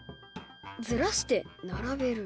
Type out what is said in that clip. ずらして並べる？